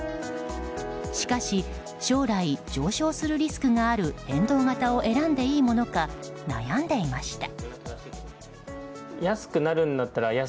しかし、将来上昇するリスクがある変動型を選んでいいものか悩んでいました。